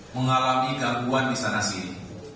mengalami gangguan di sana sini